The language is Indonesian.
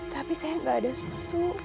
tapi sayang gak ada susu